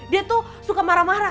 dia tuh suka marah marah